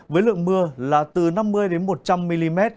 với lượng mưa là từ năm mươi đến một trăm linh mm